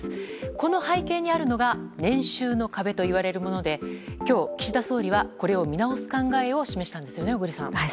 この背景にあるのが年収の壁といわれるもので今日、岸田総理はこれを見直す考えを示したんですね、小栗さん。